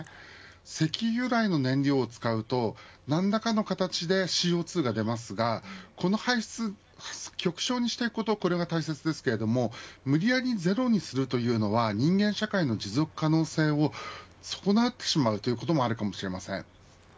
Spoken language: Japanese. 石油由来の燃料を使うと何らかの形でＣＯ２が出ますが、この排出を極小にしていくことが大切ですが無理やりゼロにするというのは人間社会の持続可能性を損なってしまうこともあるかもしれません。